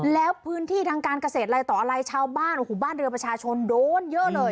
แล้วพื้นที่ทางการเกษตรลายต่อลายชาวบ้านบ้านเรือประชาชนโดนเยอะเลย